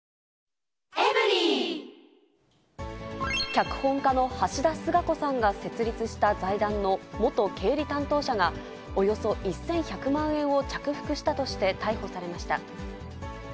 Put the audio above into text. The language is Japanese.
脚本家の橋田壽賀子さんが設立した財団の元経理担当者が、およそ１１００万円を着服したとして逮捕されました。